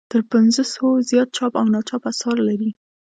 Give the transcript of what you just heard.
تر پنځو سوو زیات چاپ او ناچاپ اثار لري.